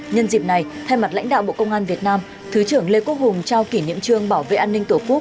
nhân dịp này thay mặt lãnh đạo bộ công an việt nam thứ trưởng lê quốc hùng trao kỷ niệm trương bảo vệ an ninh tổ quốc